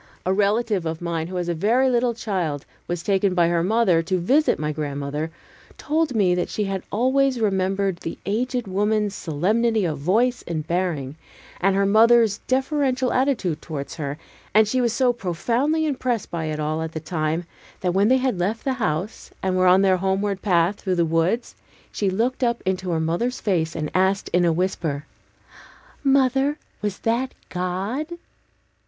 A relative of mine, who as a very little child, was taken by her mother to visit my grandmother, told me that she had always remembered the aged woman's solemnity of voice and bearing, and her mother's deferential attitude towards her: and she was so profoundly impressed by it all at the time, that when they had left the house, and were on their homeward path through the woods, she looked up into her mother's face and asked in a whisper, "Mother, was that God?"